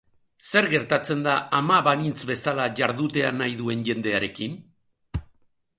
Zer gertatzen da ama banintz bezala jardutea nahi duen jendearekin?